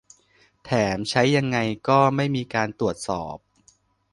แถมใช้ยังไงก็ไม่มีการตรวจสอบ